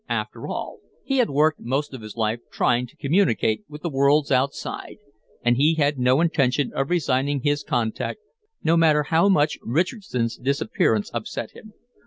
After all, he had worked most of his life trying to communicate with the worlds outside, and he had no intention of resigning his contact, no matter how much Richardson's disappearance upset him.